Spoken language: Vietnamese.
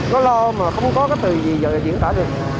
nó lo mà không có cái từ gì giờ diễn tả được